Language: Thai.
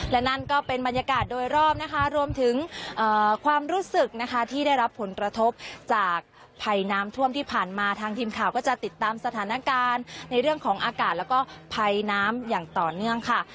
และนั่นก็เป็นบรรยากาศโดยรอบนะคะรวมถึงความรู้สึกนะคะที่ได้รับผลกระทบจากภัยน้ำท่วมที่ผ่านมาทางทีมข่าวก็จะติดตามสถานการณ์ในเรื่องของอากาศแล้วก็ภัยน้ำอย่างต่อเนื่องค่ะ